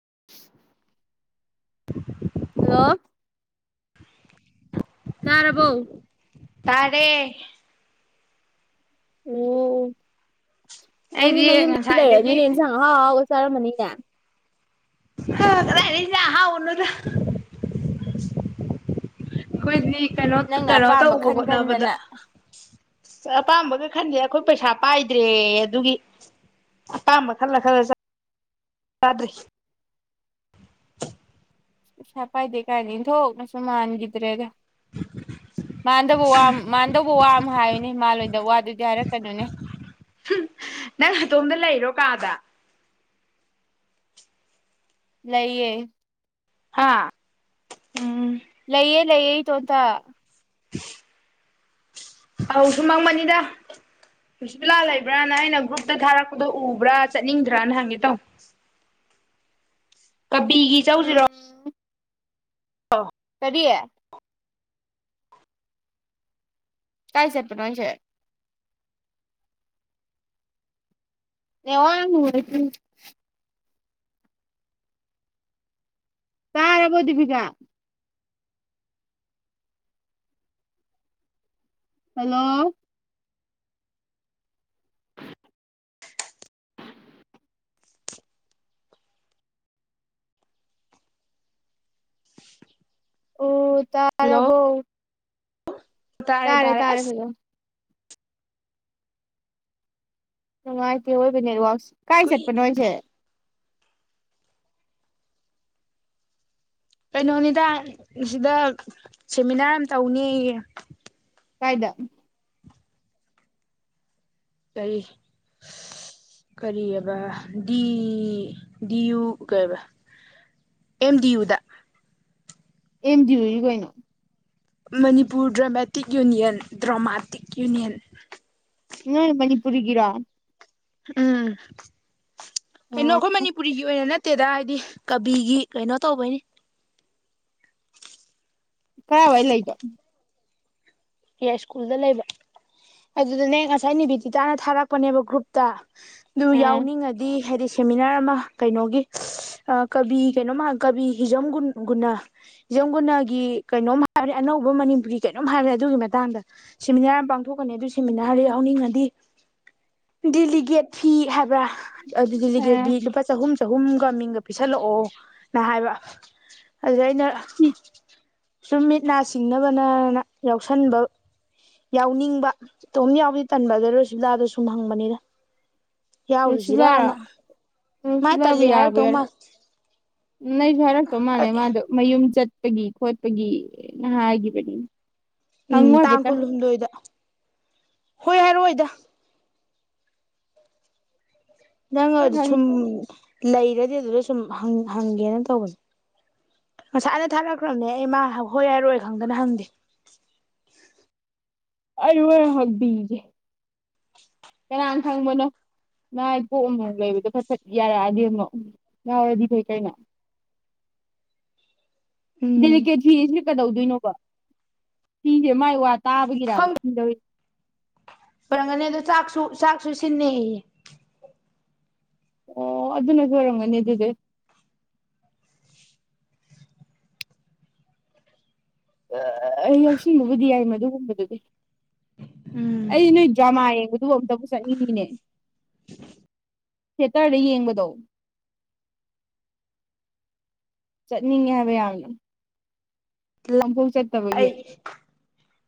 [inaudible] [inaudible] [unintelligible] ꯇꯥꯔꯕꯣ ꯇꯥꯔꯦ ꯑꯣ ꯅꯪꯗꯤ ꯑꯩꯗꯤ ꯅꯌꯨꯝꯗ ꯉꯁꯥꯏꯗꯒꯤ ꯂꯦꯏꯔꯝꯅꯤꯅꯦ ꯍꯤꯟꯖꯡ ꯑꯍꯥꯎ ꯑꯍꯥꯎꯕ ꯆꯥꯔꯝꯃꯅꯤꯅꯦ ꯍꯥ ꯀꯗꯥꯏꯗꯩꯩ ꯍꯤꯟꯖꯥꯡ ꯑꯍꯥꯑꯣꯕꯅꯣꯗ ꯈꯣꯏꯗꯤ ꯀꯩꯅꯣ ꯅꯪꯅ ꯀꯩꯅꯣ ꯑꯄꯥꯝꯕ ꯇꯧꯕ ꯈꯟ ꯍꯣꯠꯅꯕꯗ ꯈꯟꯗꯅ ꯑꯄꯥꯝꯕꯒ ꯈꯟꯗꯦ ꯑꯈꯣꯏ ꯄꯩꯁꯥ ꯄꯥꯏꯗ꯭ꯔꯦꯌꯦ ꯑꯗꯨꯒꯤ ꯑꯄꯥꯝꯕ ꯈꯜꯂ ꯈꯜꯂ ꯆꯥꯗ꯭ꯔꯤ [inaudible] ꯄꯩꯁꯥ ꯄꯥꯏꯗꯦ ꯀꯥꯏꯅ ꯏꯟꯊꯣꯛꯅꯁꯨ ꯃꯥꯟꯈꯤꯗ꯭ꯔꯦꯗ ꯃꯥꯟꯗꯕ ꯋꯥ ꯃꯥꯟꯅꯗꯧꯕ ꯋꯥ ꯑꯃ ꯍꯥꯏꯌꯨꯅꯦ ꯃꯥꯜꯂꯣꯏꯗ ꯋꯥꯗꯨꯗꯤ ꯍꯥꯏꯔꯛꯀꯅꯨꯅꯦ ꯅꯪ ꯅꯇꯣꯝꯗ ꯂꯩꯔꯣ ꯀꯥꯗ ꯂꯩꯌꯦ ꯍꯥꯥ ꯎꯝ ꯂꯩꯌꯦ ꯂꯩꯌꯦ ꯏꯇꯣꯟꯇ ꯑꯧ ꯁꯨꯃ ꯍꯪꯕꯅꯤꯗ ꯄꯤꯁꯤꯕꯥꯂꯥ ꯂꯩꯕ꯭ꯔꯥꯅ ꯑꯩꯅ ꯒ꯭ꯔꯨꯞꯇ ꯊꯥꯔꯛꯄꯗꯣ ꯎꯕ꯭ꯔꯥ ꯆꯠꯅꯤꯡꯗ꯭ꯔꯅ ꯍꯪꯒꯦ ꯇꯧꯅ ꯀꯕꯤꯒꯤ ꯆꯧꯖꯤꯔꯣ ꯎꯝ [inaudible] ꯀꯔꯤ ꯀꯥꯢ ꯆꯠꯄꯅꯣ ꯍꯥꯏꯁꯦ ꯅꯦꯠꯋꯥꯛ ꯌꯥꯝ ꯅꯨꯡꯉꯥꯏꯇꯦ ꯇꯔꯕꯣ ꯗꯤꯄꯤꯀꯥ ꯍꯜꯂꯣ ꯑꯣ ꯍꯜꯂꯣ ꯇꯔꯕꯣ ꯇꯥꯔꯦ ꯇꯔꯦ ꯇꯥꯔꯦ ꯇꯔꯦ ꯑꯁ ꯍꯂꯣ ꯅꯨꯡꯥꯏꯇꯦ ꯑꯣꯏꯕꯥ ꯅꯦꯠꯋꯥꯛ ꯁꯦ ꯀꯥꯏ ꯀꯨꯏ ꯆꯠꯄꯅꯣꯏꯁꯦ ꯀꯩꯅꯣꯅꯤꯗ ꯁꯤꯗ ꯁꯦꯃꯤꯅꯥꯔ ꯑꯃ ꯇꯧꯅꯦꯌꯦ ꯀꯥꯏꯗ ꯀꯔꯤ ꯀꯔꯤꯑꯕ ꯗꯤ ꯗꯤꯌꯨ ꯀꯩꯕ ꯑꯦꯝ ꯗꯤ ꯌꯨꯗ ꯑꯃ ꯗꯤ ꯌꯨ ꯗꯤ ꯀꯩꯅꯣ Manipur dramatic union dramatic union ꯅꯣꯏ ꯃꯅꯤꯄꯨꯔꯤ ꯒꯤꯔꯣ ꯎꯝ ꯀꯩꯅꯣ ꯑꯈꯣꯏ ꯑꯣ ꯃꯅꯤꯄꯨꯔꯤꯒꯤ ꯑꯣꯏꯅ ꯅꯠ ꯅꯠꯇꯦꯗ ꯍꯥꯏꯗꯤ ꯀꯕꯤꯒꯤ ꯀꯩꯅꯣ ꯇꯧꯕꯩꯅꯤ ꯀꯥꯔꯥꯏ ꯋꯥꯏ ꯂꯩꯕꯥ ꯌꯥꯏꯁ꯭ꯀꯨꯜꯗ ꯂꯩꯕ ꯑꯗꯨꯗꯅꯦ ꯉꯁꯥꯏ ꯅꯦꯕꯤꯗꯤꯇꯅ ꯊꯥꯔꯛꯄꯅꯦꯕ ꯒ꯭ꯔꯨꯞꯇ ꯑꯗꯨ ꯌꯥꯎꯅꯤꯡꯉꯗꯤ ꯍꯥꯏꯗꯤ ꯁꯦꯃꯤꯅꯥꯔ ꯑꯃ ꯀꯩꯅꯣꯒꯤ ꯀꯕꯤ ꯀꯩꯅꯣꯝ ꯀꯕꯤ ꯍꯤꯖꯝ ꯒꯨꯟ ꯒꯨꯟꯅ ꯍꯤꯖꯝ ꯒꯨꯟꯅꯒꯤ ꯀꯩꯅꯣꯝ ꯍꯥꯏꯕꯅꯤ ꯑꯅꯧꯕ ꯃꯅꯤꯄꯨꯔꯤ ꯀꯩꯅꯣꯝ ꯍꯥꯏꯕꯅꯤ ꯑꯗꯨꯒꯤ ꯃꯇꯥꯡꯗ ꯁꯦꯃꯤꯅꯥꯔ ꯑꯃ ꯄꯥꯡꯊꯣꯛꯀꯅꯤ ꯑꯗꯨ ꯁꯦꯃꯤꯅꯥꯔꯁ ꯌꯥꯅꯤꯡꯉꯗꯤ ꯗꯤꯂꯤꯒꯦꯠ ꯐꯤ ꯍꯥꯏ ꯑꯗꯨ ꯗꯤꯂꯤꯒꯦ ꯑꯥ ꯕꯤ ꯂꯨꯄꯥ ꯆꯥꯍꯨꯝ ꯆꯍꯨꯝꯒ ꯃꯤꯡꯒ ꯄꯤꯁꯜꯂꯛꯑꯣꯅ ꯍꯥꯏꯕ ꯑꯗꯨꯗ ꯑꯩꯅꯥ ꯁꯨꯝ ꯃꯤꯠ ꯅꯥ ꯁꯤꯡꯅꯕꯅ ꯌꯥꯎꯁꯟꯕ ꯌꯥꯎꯅꯤꯡꯕ ꯏꯇꯣꯝ ꯌꯥꯎꯕꯗꯤ ꯇꯟꯕ ꯑꯗꯨꯗ ꯔꯣꯁꯤꯕ꯭ꯂꯥꯗꯣ ꯁꯨꯝ ꯍꯡꯕꯅꯤꯗ ꯔꯣꯁꯤꯕ꯭ꯂꯥ ꯔꯣ ꯃꯥ ꯔꯣꯁꯤꯕ꯭ꯂꯥꯕꯨ ꯇꯜꯂꯤ ꯌꯥꯕꯨ ꯍꯥꯏꯔꯛꯇꯧ ꯌꯥꯔꯣꯏ ꯃꯥꯜ ꯁꯤ ꯍꯥꯢꯔꯛꯇꯣꯢ ꯃꯥꯂꯦ ꯃꯗꯣ ꯃꯌꯨꯝ ꯌꯨꯝ ꯆꯠꯄꯒꯤ ꯈꯣꯠꯄꯒꯤ ꯅ ꯍꯥꯏꯒꯤꯕꯅꯤ ꯎꯝ ꯇꯥꯡ ꯀꯨꯜꯍꯨꯝꯗꯣꯢꯗ ꯍꯣꯏ ꯍꯥꯏꯔꯛꯑꯣꯏꯗ ꯅꯡ ꯑꯗ ꯁꯨꯝ ꯂꯩꯔꯗꯤ ꯑꯗꯨꯗ ꯁꯨꯝ ꯍꯪ ꯍꯪꯒꯦꯅ ꯇꯧꯕꯅꯦ ꯉꯁꯥꯏꯅ ꯊꯥꯔꯛꯈ꯭ꯔꯕꯅꯦ ꯑꯩ ꯃꯥ ꯍꯣꯏ ꯍꯥꯏꯔꯛ ꯑꯣꯏ ꯈꯪꯗꯅ ꯍꯪꯗꯦ ꯑꯩ ꯍꯣꯔꯦꯟ ꯍꯪꯕꯤꯒꯦ ꯀꯅꯥꯅ ꯈꯪꯕꯅꯣ ꯅꯥꯏ ꯄꯣꯛ ꯑꯃꯃꯨꯛ ꯂꯩꯕꯗꯣ ꯐꯠ ꯐꯠ ꯌꯥꯔꯛꯑꯗꯤ ꯑꯃꯨꯛ ꯉꯥꯎꯔꯗꯤ ꯐꯩ ꯀꯩꯅꯣ ꯎꯝ ꯗꯦꯂꯤꯀꯦꯠ ꯐꯤꯁꯤꯅ ꯀꯩꯗꯧ ꯗꯣꯢꯅꯣꯕ ꯁꯤꯁꯦ ꯃꯥꯏ ꯋꯥ ꯇꯥꯕꯒꯤꯔ ꯂꯤ ꯈꯪ ꯑꯣꯏꯔꯝꯒꯅꯤ ꯑꯗꯣ ꯆꯥꯛꯁꯨ ꯆꯥꯛꯁꯨ ꯁꯤꯟꯅꯦꯌꯦ ꯑꯣ ꯑꯗꯨꯅꯁꯨ ꯑꯣꯏꯔꯝꯒꯅꯤ ꯑꯗꯨꯗꯤ ꯑꯦ ꯑ ꯌꯥꯎꯁꯤꯜꯂꯨꯕꯗꯤ ꯌꯥꯏ ꯃꯗꯨ ꯍꯝꯕꯗꯨꯗꯤ ꯑꯩ ꯎꯝ ꯅꯣꯏ ꯗ꯭ꯔꯥꯃ ꯌꯦꯡꯕ ꯑꯗꯨ ꯑꯝꯇꯕꯨ ꯆꯠꯅꯤꯡꯉꯤꯅꯦ ꯊꯦꯇꯔꯗ ꯌꯦꯡꯕꯗꯣ ꯆꯠꯅꯤꯡꯉꯦ ꯍꯥꯏꯕ ꯌꯥꯝꯅ ꯑꯝꯕꯧ ꯑꯩ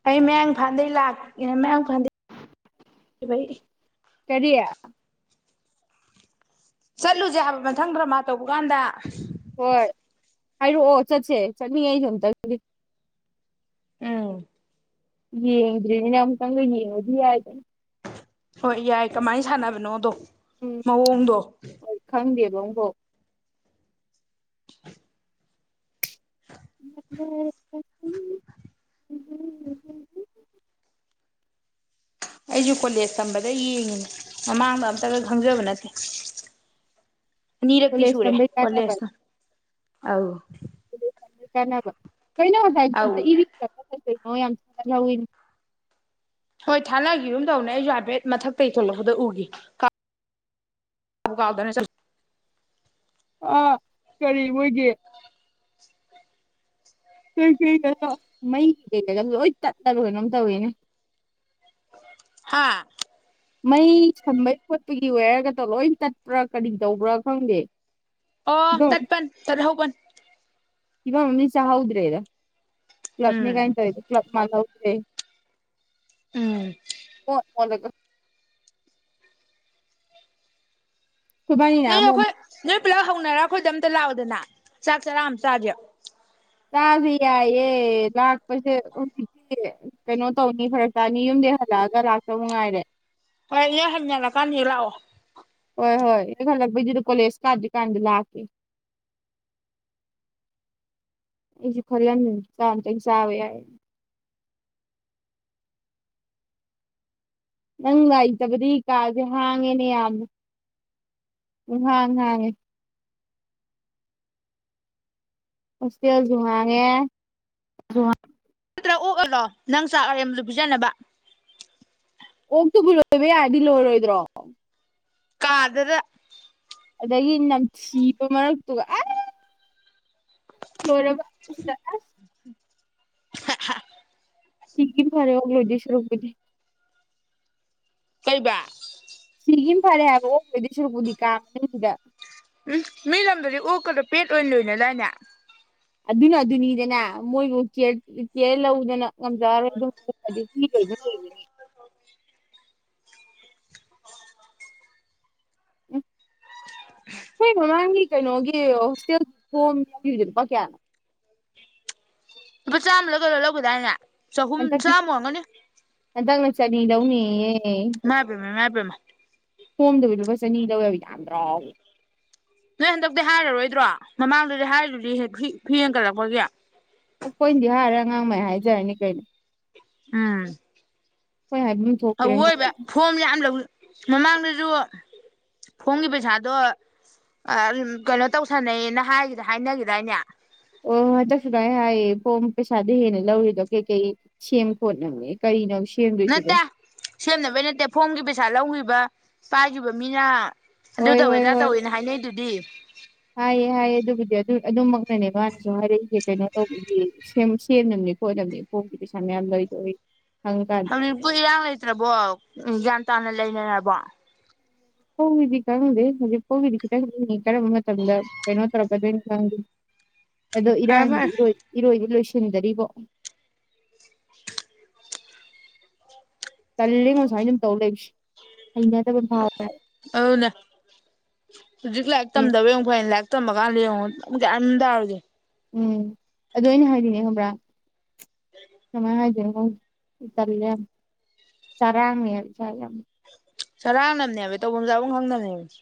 ꯑꯩ ꯃꯌꯥꯡ ꯏꯝꯐꯥꯟ ꯗꯩ ꯂꯥꯛ ꯃꯌꯥꯡ ꯏꯝꯐꯟ ꯗꯩ ꯀꯔꯤ ꯆꯠꯂꯨꯁꯦ ꯍꯥꯏꯕ ꯃꯊꯪ ꯗ꯭ꯔꯃꯥ ꯇꯧꯕ ꯀꯥꯟꯗ ꯍꯣꯏ ꯍꯥꯏꯔꯛꯑꯣ ꯆꯠꯁꯦ ꯆꯠꯅꯤꯡꯉꯦ ꯑꯩꯁꯨ ꯑꯝꯇꯪꯗꯤ ꯎꯝ ꯌꯦꯡꯗ꯭ꯔꯤꯕꯅꯤꯅ ꯑꯃꯨꯛꯇꯪꯒ ꯌꯦꯡꯉꯨꯕꯗꯤ ꯌꯥꯏꯗꯅ ꯍꯣꯏ ꯌꯥꯏ ꯀꯃꯥꯏꯅ ꯁꯥꯟꯅꯕꯅꯣꯗꯣ ꯃꯑꯣꯡꯗꯣ ꯂꯣꯡꯕꯣ [unintelligible] ꯑꯩꯁꯨ ꯀꯣꯂꯦꯖ ꯇꯝꯕꯗ ꯌꯦꯡꯉꯤꯅꯦ ꯃꯃꯥꯡꯗ ꯑꯝꯇꯒ ꯈꯪꯖꯕ ꯅꯠꯇꯦ ꯑꯅꯤꯔꯛꯇꯤ ꯀꯣꯂꯦꯖ ꯁꯨꯔꯦ ꯇꯝꯕꯩ ꯀꯥꯟꯅꯕ ꯀꯣꯂꯦꯖꯅ ꯑꯧ ꯀꯥꯟꯅꯕ ꯀꯩꯅ ꯉꯁꯥꯏꯗꯣ ꯑꯧ [unintelligible] ꯀꯩꯅꯣ ꯌꯥꯝ ꯊꯦꯠꯍꯧꯋꯤ ꯊꯥꯅꯒꯤꯒꯨꯝ ꯇꯧꯕꯅꯦ ꯑꯩꯁꯨ ꯍꯥꯏꯄꯦꯠ ꯃꯊꯛꯇꯩ ꯊꯣꯛꯂꯛꯄꯗ ꯎꯒꯤ ꯃꯨꯛ ꯀꯥꯎꯗꯅ ꯆꯠ ꯑꯥ ꯀꯔꯤ ꯑꯣꯏꯒꯦ ꯀꯩꯀꯩ ꯃꯩ ꯀꯩꯗ ꯃꯩ ꯂꯣꯏ ꯇꯠꯂ ꯀꯩꯅꯣꯝ ꯇꯧꯔꯦꯅꯦ ꯍꯥꯥ ꯃꯩ ꯁꯝꯕꯒꯤ ꯈꯣꯠꯄꯒꯤ ꯋꯦꯌꯔꯒꯗꯣ ꯂꯣꯏ ꯇꯠꯄ꯭ꯔꯥ ꯀꯔꯤ ꯇꯧꯕ꯭ꯔꯥ ꯈꯪꯗꯦ ꯑꯣ ꯐꯤꯕꯝ ꯇꯠꯄꯟ ꯇꯠꯍꯧꯕꯟ ꯐꯤꯚꯝ ꯑꯝꯗꯤ ꯆꯥꯍꯧꯗ꯭ꯔꯦꯗ ꯀ꯭ꯂꯞꯅꯤ ꯎꯝ ꯀꯥꯏꯅ ꯇꯧꯔꯤꯗꯣ ꯎꯝ [unintelligible] ꯈꯣꯢꯕꯅꯤ ꯅꯣꯏ ꯅꯍꯥꯟꯃꯨꯛ ꯑꯩꯈꯣꯏ ꯅꯣꯏ ꯄꯨꯂꯞ ꯍꯧꯅꯔ ꯑꯩꯈꯣꯏꯗ ꯑꯝꯇ ꯂꯥꯛꯎꯗꯅ ꯆꯥꯛ ꯆꯔꯥ ꯑꯃ ꯆꯥꯖꯦ ꯆꯥꯁꯦ ꯌꯥꯏꯌꯦ ꯂꯥꯛꯄꯁꯦ ꯍꯧꯖꯤꯛꯇꯤ ꯀꯩꯅꯣ ꯇꯧꯅꯤ ꯐꯔꯛ ꯇꯥꯅꯤ ꯌꯨꯝꯗꯩ ꯍꯜꯂꯛꯑꯒ ꯂꯥꯛꯇꯧ ꯃꯉꯥꯏꯔꯦ ꯍꯣꯏꯅꯦ ꯍꯟꯖꯜꯂꯛꯑ ꯀꯥꯟꯗ ꯍꯦꯛ ꯂꯥꯛꯑꯣ ꯍꯣꯏ ꯍꯣꯏ ꯑꯩ ꯍꯜꯂꯛꯄꯩꯗꯨꯗ ꯀꯣꯂꯦꯖ ꯀꯥꯗ꯭ꯔꯤ ꯀꯥꯟꯗ ꯂꯥꯛꯀꯦ ꯑꯩꯁꯨ ꯈꯜꯂꯝꯃꯤꯅꯦ ꯆꯥꯛ ꯑꯝꯇꯪ ꯆꯥꯕ ꯌꯥꯏꯌꯦꯅ ꯅꯪ ꯉꯥꯏꯇꯕꯗꯤ ꯀꯥꯁꯦ ꯍꯥꯡꯉꯦꯅꯦ ꯌꯥꯝꯅ ꯄꯨꯡꯍꯥꯡ ꯍꯥꯡꯉꯦ ꯍꯣꯁꯇꯦꯜꯁꯨ ꯍꯥꯡꯉꯦ ꯁꯨ ꯍꯥ ꯅꯠꯇꯔꯒ ꯑꯣꯛ ꯂꯣꯏꯔꯣ ꯅꯪ ꯆꯥꯛ ꯑꯔꯦꯝꯕꯗꯨ ꯄꯤꯖꯅꯕ ꯑꯣꯛ ꯇꯕꯨ ꯂꯣꯢꯕ ꯌꯥꯔꯗꯤ ꯂꯣꯢꯔꯣꯏꯗ꯭ꯔꯣ ꯀꯥ ꯗꯨꯗ ꯑꯗꯒꯤ ꯅꯝꯊꯤꯕ ꯃꯔꯛꯇꯨꯗ ꯑꯦ ꯂꯣꯏꯔꯕ ꯁꯤꯗ ꯑꯁ ꯍꯥ ꯍꯥ ꯁꯤꯈꯤ ꯐꯔꯦ ꯑꯣꯛ ꯂꯣꯏꯗꯣꯏ ꯁꯔꯨꯛꯄꯨꯗꯤ ꯀꯩꯕ ꯁꯤꯒꯤꯕꯅ ꯐꯔꯦ ꯍꯥꯏꯕ ꯑꯣꯛ ꯂꯣꯏꯗꯣꯏ ꯁꯨꯔꯨꯛꯄꯨꯗꯤ ꯀꯥ ꯃꯅꯨꯡꯗꯨꯗ ꯎꯝ ꯃꯤ ꯂꯝꯗꯗꯤ ꯑꯣꯛꯀꯗꯣ ꯄꯦꯠ ꯑꯣꯏꯅ ꯂꯣꯏꯅꯦꯗꯥꯏꯅꯦ ꯑꯗꯨꯅ ꯑꯗꯨꯅꯤꯗꯅ ꯃꯣꯏꯕꯨ ꯀꯦꯌꯔ ꯀꯦꯌꯔ ꯂꯧꯢꯗꯅ ꯉꯝꯖꯔꯔꯣꯏ ꯑꯗꯨꯗꯤ ꯃꯤ ꯂꯣꯏꯅꯤꯡ ꯂꯣꯢꯕꯅꯤ ꯎꯝ ꯑꯩꯈꯣꯏ [inaudible] ꯃꯃꯥꯡꯒꯤ ꯀꯩꯅꯣꯒꯤ ꯍꯣꯁꯇꯦꯜꯒꯤ ꯐꯣꯝ ꯂꯧꯒꯤꯕꯗꯣ ꯂꯨꯄꯥ ꯀꯌꯥꯅꯣ ꯂꯨꯄꯨ ꯆꯥꯝꯃꯔ ꯀꯩꯅꯣ ꯂꯧꯒꯤꯗꯥꯏꯅꯦ ꯆꯍꯨꯝ ꯍꯟꯗꯛꯇꯤ ꯆꯥꯝꯃ ꯑꯣꯏꯔꯝꯒꯅꯤ ꯍꯟꯗꯛꯅ ꯆꯅꯤ ꯂꯧꯅꯤꯌꯦ ꯌꯦ ꯏꯃꯥꯏꯄꯦꯝꯃ ꯏꯃꯥꯏ ꯄꯦꯝꯃ ꯐꯣꯝꯗꯨꯒꯤ ꯂꯨꯄꯥ ꯆꯅꯤ ꯂꯧꯋ ꯌꯥꯝꯗ꯭ꯔꯣ ꯅꯣꯏ ꯍꯟꯗꯛꯇꯤ ꯍꯥꯏꯔꯔꯣꯏꯗ꯭ꯔꯣ ꯃꯃꯥꯡꯗꯨꯗꯤ ꯍꯥꯏꯔꯤꯗꯨꯗꯤ ꯐ ꯐꯤ ꯍꯦꯟꯒꯠꯂꯛꯄꯒꯤ ꯑꯩꯈꯣꯏꯅꯗꯤ ꯍꯥꯏꯔꯔꯣꯏ ꯑꯉꯥꯡ ꯃꯥꯏ ꯍꯥꯏꯖꯔꯅꯤ ꯀꯩꯅꯣ ꯎꯝ ꯑꯩꯈꯣꯏ ꯍꯥꯏꯕꯝ ꯊꯣꯛꯇ꯭ꯔꯦ ꯃꯣꯏ ꯑꯑꯣꯏꯕ ꯐꯣꯝ ꯌꯥꯝ ꯂꯧ ꯃꯃꯥꯡꯗꯁꯨ ꯐꯣꯝꯒꯤ ꯄꯩꯁꯥꯗꯣ ꯑꯥ ꯀꯩꯅꯣ ꯇꯧꯁꯥꯟꯅꯩꯌꯦꯅ ꯍꯥꯏ ꯍꯥꯏꯅꯈꯤꯗꯥꯏꯅꯦ ꯑꯣ ꯍꯟꯗꯁꯨꯗꯥꯏ ꯍꯥꯏꯌꯦ ꯐꯣꯝ ꯄꯩꯁꯥꯗꯣ ꯍꯦꯟꯅ ꯂꯧꯔꯤꯗꯣ ꯀꯩꯀꯩ ꯁꯦꯝ ꯈꯣꯠꯅꯕꯅꯦ ꯀꯔꯤꯅꯣꯕ ꯁꯦ ꯅꯠꯇꯦ ꯁꯦꯝꯅꯕꯩ ꯅꯠꯇꯦ ꯐꯣꯝꯒꯤ ꯄꯩ ꯄꯩꯁꯥ ꯂꯧꯒꯤꯕ ꯆꯥꯈꯤꯕ ꯃꯤꯅ ꯑꯗꯨ ꯍꯣꯏ ꯇꯧꯋꯦ ꯍꯣꯏ ꯑꯗꯥ ꯍꯣꯏ ꯇꯧꯋꯦꯅ ꯍꯥꯏꯅꯩꯗꯨꯗꯤ ꯍꯥꯏꯌꯦ ꯍꯥꯏꯌꯦ ꯑꯗꯨꯕꯨꯗꯤ ꯑꯗꯨ ꯑꯗꯨꯃꯛꯅꯅꯦ ꯃꯥꯅꯁꯨ ꯍꯥꯏꯔꯛꯏꯁꯦ ꯀꯩꯅꯣ ꯇꯧꯕꯒꯤ ꯁꯦꯝ ꯁꯦꯝꯅꯕꯅꯤ ꯈꯣꯠꯅꯕꯅꯤ ꯐꯣꯝꯒꯤ ꯄꯩꯁꯥ ꯃꯌꯥꯝ ꯂꯧꯋꯤꯗꯣꯌꯦ ꯍꯧꯖꯤꯛ ꯄꯨꯗꯤ ꯏꯔꯥꯡ ꯂꯩꯇ꯭ꯔꯕꯣ ꯎꯝ ꯌꯥꯝ ꯇꯥꯅ ꯂꯩꯅꯔꯕ ꯍꯨꯒꯤꯗꯤ ꯈꯪꯗꯦ ꯍꯧꯖꯤꯛ ꯐꯧꯒꯤꯗꯤ ꯈꯤꯇꯪ ꯀꯔꯝꯕ ꯃꯇꯝꯗ ꯀꯩꯅꯣ ꯇꯧꯔꯛꯀꯗꯣꯏꯅꯣ ꯈꯪꯗꯦ ꯑꯗꯣ ꯐꯔꯦ ꯏꯔꯥꯡꯒꯤꯗꯤ ꯐꯔꯦ ꯏꯔꯣꯏ ꯏꯔꯣꯏꯗꯤ ꯂꯁꯤ ꯆꯤꯟꯗꯔꯤꯕꯣ ꯇꯜꯂꯦꯉꯣ ꯁꯥꯏꯟ ꯁꯨꯝ ꯇꯧ ꯂꯩꯕꯁꯦ ꯍꯩꯅꯗꯕ ꯑꯃ ꯐꯥꯎꯔꯦ ꯑꯗꯨꯅꯦ ꯍꯧꯖꯤꯛ ꯂꯥꯏꯔꯤꯛ ꯇꯝꯗꯕꯩ ꯑꯃꯨꯛ ꯐꯩꯅꯦ ꯂꯥꯏ ꯇꯝꯃ ꯀꯥꯟꯗ ꯌꯦꯡꯉꯣ ꯒ꯭ꯌꯥꯟ ꯃꯦꯟ ꯇꯔꯣꯏꯗꯩ ꯎꯝ ꯑꯗꯨ ꯑꯩꯅ ꯍꯥꯏꯗꯤꯅꯦ ꯈꯪꯕ꯭ꯔ ꯀꯃꯥꯏ ꯍꯥꯏꯗꯣꯏꯅꯣ ꯏꯂꯦ ꯑꯦꯛꯖꯥꯃꯤꯅꯔ ꯆꯔꯥꯡꯉꯦ [unintelligible] ꯆꯔꯥꯡꯅꯕꯅꯦꯕ ꯇꯧꯐꯝ ꯆꯥꯐꯝ ꯈꯪꯅꯕꯅꯦꯕ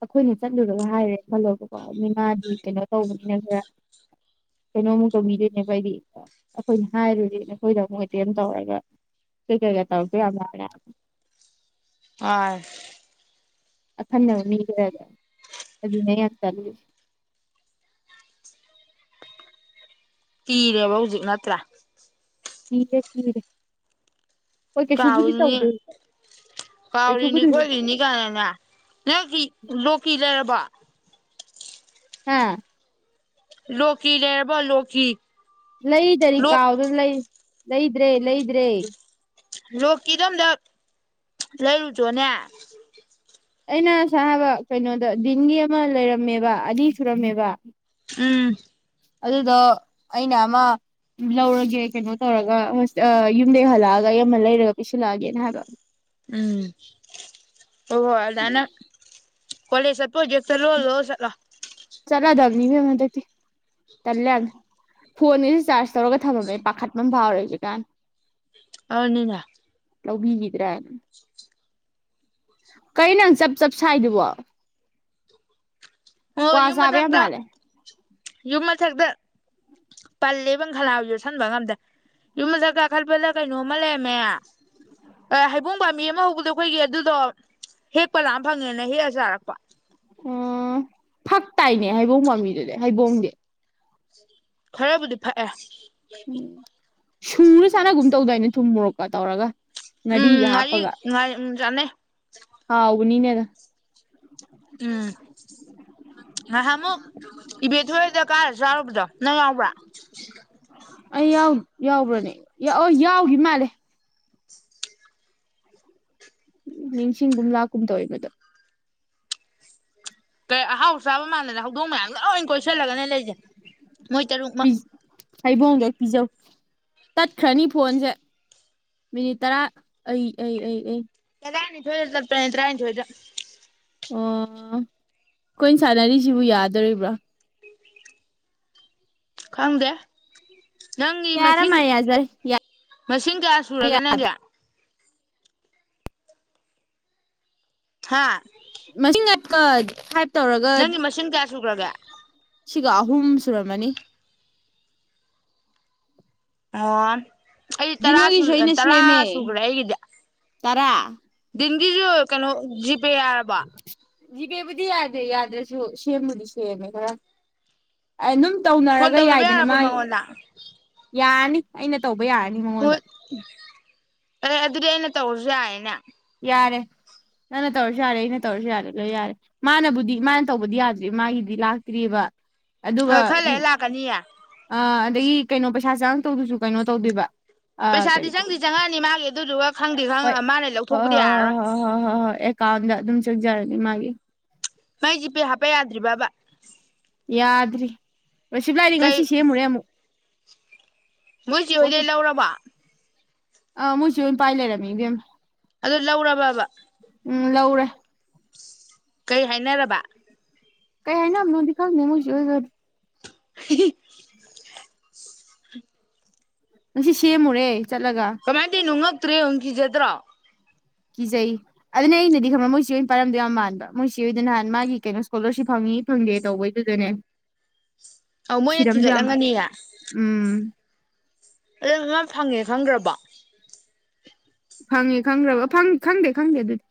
ꯑꯩꯈꯣꯏꯅ ꯆꯠꯂꯨꯔꯒ ꯍꯥꯏꯔꯦ ꯈꯜꯂꯣ ꯇꯧꯅꯤ ꯃꯗꯤ ꯀꯩꯅꯣ ꯇꯧꯕꯅꯦ ꯑꯩꯅ ꯈꯔ ꯀꯩꯅꯣꯃꯨꯛ ꯇꯧꯕꯤꯗꯣꯏꯅꯦꯕ ꯑꯩꯗꯤ ꯑꯩꯈꯣꯏꯅ ꯍꯥꯏꯔꯣꯗꯤ ꯑꯩꯈꯣꯏꯗ ꯑꯃꯨꯛ ꯑꯦꯇꯦꯝ ꯇꯧꯔꯒ ꯀꯩꯀꯩꯒ ꯇꯧꯔꯛꯇꯣꯏ ꯌꯥꯝ ꯃꯥꯜꯂꯦ ꯑꯥꯁ ꯑꯈꯟꯅꯕ ꯃꯤ ꯈꯔꯗ ꯑꯗꯨꯅꯦ ꯑꯩ ꯌꯥꯝ ꯇꯜꯂꯤꯁꯦ ꯀꯤꯔꯦꯕ ꯍꯧꯖꯤꯛ ꯅꯠꯇ꯭ꯔ ꯀꯤꯗꯦ ꯀꯤꯔ ꯀꯥꯎꯔꯤꯅꯤ ꯀꯥꯎꯔꯤꯅꯤ ꯀꯩꯁꯨꯕꯨꯗꯤ ꯍꯧꯖꯤꯛ ꯈꯣꯏꯔꯤꯅꯤ ꯀꯥꯏꯅꯅꯦ ꯅꯪꯒꯤ ꯂꯣꯛꯀꯤ ꯂꯩꯔꯕꯣ ꯍꯥꯥ ꯂꯣꯀꯤ ꯂꯩꯔꯕꯣ ꯂꯣꯀꯤ ꯂꯩ ꯗꯔꯤ ꯂꯣꯛ ꯀꯥꯎꯗꯅ ꯂꯩ ꯂꯩꯗ꯭ꯔꯦ ꯂꯩꯗ꯭ꯔꯦ ꯔꯣꯛꯀꯤꯗꯝꯗ ꯂꯩꯔꯨꯆꯣꯅꯦ ꯑꯩꯅ ꯁꯥꯕ ꯀꯩꯅꯣꯗ ꯗꯤꯟꯒꯤ ꯑꯃ ꯂꯩꯔꯝꯃꯦꯕ ꯑꯅꯤ ꯁꯨꯔꯝꯃꯦꯕ ꯎꯝ ꯑꯗꯨꯗꯣ ꯑꯩꯅ ꯑꯃ ꯂꯧꯔꯒꯦ ꯀꯩꯅꯣ ꯇꯧꯔꯒ ꯌꯨꯝꯗꯩ ꯍꯜꯂꯛꯑꯒ ꯑꯩ ꯑꯃ ꯂꯩꯔꯒ ꯄꯤꯁꯤꯜꯂꯛꯑꯒꯦꯅ ꯍꯥꯏꯕ ꯎꯝ ꯍꯣ ꯍꯣ ꯑꯗꯥꯏꯅ ꯀꯣꯂꯦꯖ ꯆꯠ [unintelligible] ꯆꯠꯂꯗꯕꯅꯤ ꯏꯕꯦꯝꯝ ꯍꯟꯗꯛꯇꯤ ꯇꯜꯂꯦ ꯌꯥꯝꯅ ꯐꯣꯟꯒꯤꯁꯤ ꯆꯥꯔꯖ ꯇꯧꯔꯒ ꯊꯝꯃꯝꯃꯦ ꯄꯥꯈꯠꯄ ꯑꯃ ꯐꯥꯎꯔꯦ ꯍꯧꯖꯤꯛꯀꯥꯟ ꯑꯅꯤꯅ ꯂꯧꯕꯤꯒꯤꯗ꯭ꯔ ꯀꯩꯅꯣ ꯅꯪ ꯆꯞ ꯆꯞ ꯁꯥꯏꯗꯨꯕꯣ ꯑꯣ ꯀ꯭ꯋꯥ ꯌꯨꯝ ꯆꯥꯕ ꯌꯥꯝ ꯃꯊꯛꯇ ꯃꯥꯜꯂꯦ ꯌꯨꯝ ꯃꯊꯛꯇ ꯄꯜꯂꯦꯕ ꯈꯅꯥꯎ ꯌꯣꯠꯁꯟꯕ ꯉꯝꯗꯦ ꯌꯨꯝ ꯃꯊꯛ ꯀꯥꯈꯠꯄꯗ ꯀꯩꯅꯣꯝꯃ ꯂꯩꯔꯝꯃꯦ ꯍꯩꯕꯣꯡ ꯄꯥꯝꯕꯤ ꯑꯃ ꯍꯧꯕꯗꯣ ꯑꯩꯈꯣꯏꯒꯤ ꯑꯗꯨꯗꯣ ꯍꯦꯛꯄ ꯂꯥꯝ ꯐꯪꯉꯦꯅ ꯍꯦꯛꯑ ꯆꯥꯔꯛꯄ ꯎꯝ ꯐꯥꯛ ꯇꯥꯏꯅꯦ ꯍꯥꯏꯕꯧꯡ ꯄꯥꯝꯕꯤꯁꯦ ꯍꯩꯕꯣꯡꯗꯤ ꯈꯔꯕꯨꯗꯤ ꯐꯛꯑꯦ [inaudible] ꯁꯨꯔꯥ ꯆꯥꯅꯒꯨꯝ ꯇꯧꯗꯥꯏꯅꯦ ꯊꯨꯝ ꯃꯣꯔꯣꯛꯀ ꯇꯧꯔꯒ ꯎꯝ ꯉꯥꯔꯤꯒ ꯉꯥꯔꯤ ꯍꯥꯞꯄꯒ ꯉ ꯎꯝ ꯆꯥꯅꯩ ꯄꯨꯅꯤꯅꯦꯗ ꯎꯝ ꯉꯥꯏꯍꯥꯛꯃꯨꯛ ꯏꯕꯦꯊꯣꯏ ꯍꯣꯏꯗ ꯀꯥꯔ ꯆꯥꯔꯨꯕꯗꯣ ꯅꯪ ꯌꯥꯎꯕ꯭ꯔꯥ ꯑꯩ ꯌꯥꯎ ꯌꯥꯎꯕ꯭ꯔꯅꯦ ꯌꯥꯎꯒꯤ ꯃꯥꯜꯂꯦ ꯅꯤꯡꯁꯤꯡꯒꯨꯝ ꯂꯥꯛꯀꯨꯝ ꯇꯧꯋꯦ ꯃꯗꯣ ꯀꯩ ꯑꯍꯥꯎ ꯆꯥꯕ ꯃꯥꯟꯗꯅ ꯍꯧꯗꯣꯡ ꯃꯌꯥꯝ ꯂꯣꯏ ꯀꯣꯏꯁꯤꯜꯂꯒꯅꯦ ꯂꯩꯖꯦ ꯃꯣꯏ ꯇꯔꯨꯛ ꯃꯛ ꯄꯤꯖ ꯍꯩꯕꯣꯡꯗꯣ ꯍꯦꯛ ꯄꯤꯖꯧ ꯇꯠꯈ꯭ꯔꯅꯤ ꯐꯣꯟꯁꯦ ꯃꯤꯅꯤꯠ ꯇꯔꯥ ꯑꯩ ꯑꯩ ꯑꯩ ꯑꯩ ꯇꯔꯥꯅꯤꯊꯣꯏꯗ ꯇꯥꯠꯄꯅꯦ ꯇꯔꯥꯅꯤꯊꯣꯏꯗ ꯑꯣ ꯑꯈꯣꯏ ꯁꯥꯟꯅꯔꯤꯁꯤꯕꯨ ꯌꯥꯗꯣꯔꯤꯕ꯭ꯔꯣ ꯈꯪꯗꯦ ꯅꯪꯒꯤ ꯃꯁꯤꯡ ꯌꯥꯔꯝꯃꯅꯤ ꯌꯥꯖꯔꯦ ꯃꯁꯤꯡ ꯀꯌꯥ ꯁꯨꯔꯒꯦ ꯅꯪꯒꯤ ꯊꯥ [unintelligible] [inaudible] ꯁꯨꯒꯔꯒꯦ ꯁꯤꯒ ꯑꯍꯨꯝ ꯁꯨꯔꯝꯃꯅꯤ ꯑꯣ ꯑꯩꯗꯤ ꯗꯤ ꯅꯣꯏꯒꯤꯁꯨ ꯇꯔꯥ ꯇꯥꯔꯥ ꯀꯩꯅꯣ ꯖꯤꯞ ꯄꯦ ꯌꯥꯔꯕ ꯖꯤꯒꯦꯕꯨꯗꯤ ꯌꯥꯗꯦ ꯌꯥꯗ꯭ꯔꯁꯨ ꯁꯦꯝꯕꯨꯗꯤ ꯁꯦꯝꯃꯦ ꯈꯔ ꯑꯗꯨꯝ ꯐꯣꯟ ꯇꯧꯅꯔꯒ ꯇꯧꯅꯕ ꯌꯥꯏꯗꯅ ꯌꯥꯔꯕꯣ ꯃꯥꯒꯤ ꯃꯉꯣꯟꯗ ꯌꯥꯔꯅꯤ ꯑꯩꯅ ꯇꯧ ꯕ ꯌꯥꯔꯅꯤ ꯃꯉꯣꯟꯗ ꯑ ꯑꯦ ꯑꯗꯨꯗꯤ ꯑꯩꯅ ꯇꯧꯔꯁꯨ ꯌꯥꯏꯅꯦ ꯌꯥꯔꯦ ꯅꯪꯅ ꯇꯧꯔꯁꯨ ꯌꯥꯔꯦ ꯑꯩꯅ ꯇꯧꯔꯁꯨ ꯌꯥꯔꯦ ꯂꯣꯏ ꯌꯥꯔꯦ ꯃꯥꯅꯕꯨꯗꯤ ꯃꯥꯅ ꯇꯧꯕꯗꯤ ꯌꯥꯗ꯭ꯔꯤꯕ ꯃꯥꯒꯤꯗꯤ ꯂꯥꯛꯇ꯭ꯔꯤꯕ ꯑ ꯑꯗꯨꯒ ꯈꯥꯂꯩꯔꯥ ꯂꯥꯛꯀꯅꯤꯌꯦ ꯑꯥ ꯑꯗꯒꯤ ꯀꯩꯅꯣ ꯄꯩꯁꯥ ꯆꯥꯉꯛꯇꯧꯗꯨꯁꯨ ꯀꯩꯅꯣ ꯇꯧꯗꯣꯏꯕ ꯑ ꯄꯩꯁꯥꯗꯤ ꯀꯔꯤ ꯀꯔꯤ ꯆꯪꯗꯤ ꯆꯪꯉꯛꯑꯅꯤ ꯃꯥꯒꯤ ꯑꯗꯨꯗꯨꯒ ꯈꯪꯗꯦ ꯈꯪ ꯍꯣꯏ ꯃꯥꯅ ꯍꯣꯏ ꯍꯣꯏ ꯂꯧꯊꯣꯛꯄꯗꯤ ꯌꯥꯔꯔꯣꯏ ꯍꯣꯏ ꯍꯣꯏ ꯍꯣꯏ ꯑꯦꯀꯥꯟ ꯀꯑꯣꯟꯗ ꯑꯗꯨꯝ ꯆꯡꯖꯔꯅꯤ ꯃꯥꯒꯤ ꯃꯥꯏ ꯖꯤꯄꯦ ꯍꯥꯞꯄ ꯌꯥꯗ꯭ꯔꯤꯕꯕ ꯌꯥꯗ꯭ꯔꯤ ꯔꯣꯁꯤꯕꯂꯥꯗꯤ ꯀꯩ ꯉꯁꯤ ꯁꯦꯝꯃꯨꯔꯦ ꯑꯃꯨꯛ ꯃꯣꯏ ꯆꯦ ꯍꯣꯏꯗꯩ ꯋꯥꯆꯞ ꯂꯧꯔꯕ ꯑ ꯃꯣꯢ ꯆꯦ ꯍꯣꯢꯅ ꯄꯥꯏꯂꯩꯔꯝꯃꯤ ꯏꯕꯦꯝ ꯑꯗꯨ ꯂꯧꯔꯕꯕ ꯎꯝ ꯂꯧꯔꯦ ꯀꯩ ꯍꯥꯏꯅꯔꯕ ꯀꯩ ꯍꯥꯏ ꯅ ꯑꯝ ꯅꯣꯗꯤ ꯈꯪꯗꯦ ꯃꯣꯢ ꯆꯦ ꯍꯣꯢꯒ ꯍꯤ ꯍꯤ ꯉꯁꯤ ꯁꯦꯝ ꯃꯨꯔꯦ ꯀꯃꯥꯏ ꯇꯣꯢꯅꯣ ꯉꯛ ꯇ꯭ꯔ ꯌꯦꯡꯎ ꯀꯤꯖꯗ꯭ꯔꯣ ꯀꯤꯖꯩ ꯑꯗꯨꯅꯤ ꯑꯩꯅꯗꯤ ꯈꯪꯕ ꯃꯣꯏꯆꯦ ꯑꯣꯏꯅ ꯄꯥꯢꯔꯝꯗꯣ ꯌꯥꯝ ꯃꯥꯟꯕ ꯃꯣꯏꯆꯦꯗꯣ ꯅꯍꯥꯟ ꯃꯥꯒꯤ ꯀꯩꯅꯣ ꯏꯁꯀꯣꯂꯔꯁꯤꯞ ꯐꯪꯉꯤ ꯐꯪꯗꯦ ꯇꯧꯕꯩꯗꯨꯗꯅꯦ ꯑꯧ ꯃꯣꯏꯅ ꯊꯤꯔꯝꯗꯣ ꯌꯥꯝ ꯃꯥꯂꯤ ꯊꯤꯒꯠꯂꯝꯒꯅꯤꯌꯦ ꯎꯝ ꯑꯗꯨ ꯃ ꯐꯪꯉꯦ ꯈꯪꯒ꯭ꯔꯕꯣ ꯐꯪꯉꯦ ꯈꯪꯈ꯭ꯔꯕ ꯈꯪꯗꯦ ꯈꯪꯗꯦ ꯑꯗꯨꯗꯤ